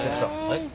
はい。